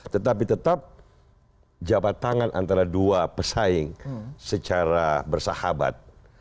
tetapi tetap jabat tangan antara dua pesaing secara bersahabat